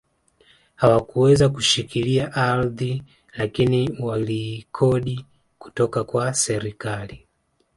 Hawakuweza kushikilia ardhi lakini waliikodi kutoka kwa serikali